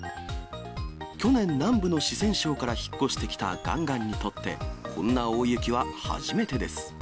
去年、南部の四川省から引っ越してきたガンガンにとって、こんな大雪は初めてです。